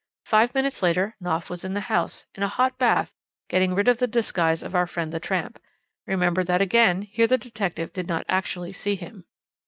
Five minutes later Knopf was in the house, in a hot bath, getting rid of the disguise of our friend the tramp. Remember that again here the detective did not actually see him.